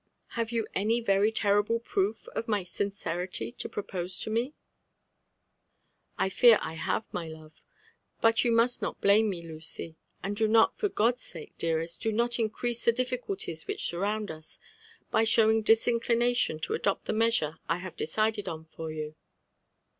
Have you any very terrible proof of my sincerity to propose to me T'' '' I fear I have, my love ;— ^but you must not blame me, Lucy ; and do not, for God's sake, dearest, — do not increase the difficulties which surround us, by showing disinclination to adopt the measure 1 have decided on for you."